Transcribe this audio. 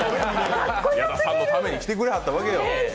矢田さんのために来てくれはったわけよ。